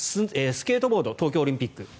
スケートボード東京オリンピック。